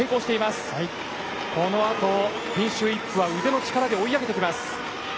このあと、ピンシュー・イップは腕の力で追い上げてきます。